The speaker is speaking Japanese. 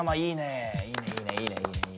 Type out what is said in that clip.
いいね。